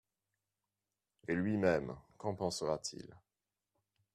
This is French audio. Et lui-même, qu’en pensera-t-il ?